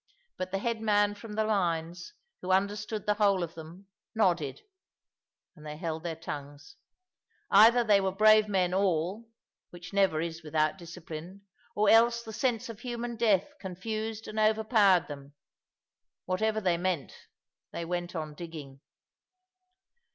But the head man from the mines, who understood the whole of them, nodded, and they held their tongues. Either they were brave men all (which never is without discipline), or else the sense of human death confused and overpowered them. Whatever they meant, they went on digging.